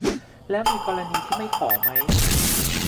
แล้วมีกรณีที่ไม่ขอไหม ?